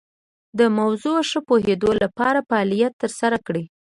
د موضوع ښه پوهیدو لپاره فعالیت تر سره کړئ.